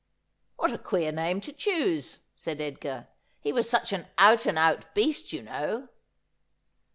' What a queer name to choose !' said Edgar. ' He was such an out and out beast, you know.'